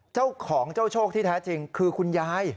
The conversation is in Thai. เจ้าของเจ้าโชคที่แท้จริงคือคุณยาย